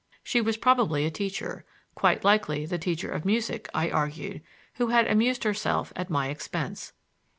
She was probably a teacher,—quite likely the teacher of music, I argued, who had amused herself at my expense.